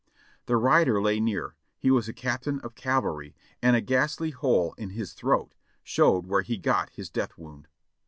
The rider lay near ; he was a captain of cavalry, and a ghastly hole in his throat showed where he got his death wound.